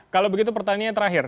kalau begitu pertanyaannya terakhir